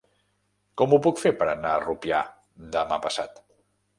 Com ho puc fer per anar a Rupià demà passat?